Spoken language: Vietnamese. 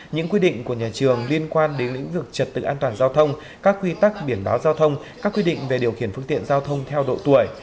những quy định của nhà trường liên quan đến lĩnh vực trật tự an toàn giao thông các quy tắc biển báo giao thông các quy định về điều khiển phương tiện giao thông theo độ tuổi